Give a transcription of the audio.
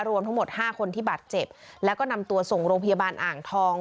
รวมทั้งหมดห้าคนที่บาดเจ็บแล้วก็นำตัวส่งโรงพยาบาลอ่างทอง